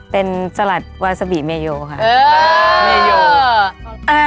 เป็นจลาดวาซาบีเมยโยค่ะเออ